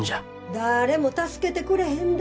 だれも助けてくれへんで。